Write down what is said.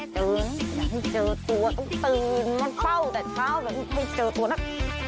อยากให้เจอตัวต้องตื่นมันเฝ้าแต่เช้าแบบไม่เจอตัวนัก